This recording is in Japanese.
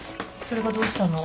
それがどうしたの？